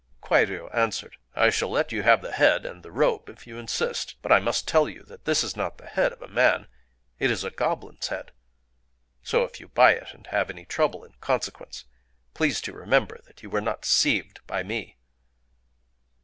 Kwairyō answered:— "I shall let you have the head and the robe if you insist; but I must tell you that this is not the head of a man. It is a goblin's head. So, if you buy it, and have any trouble in consequence, please to remember that you were not deceived by me."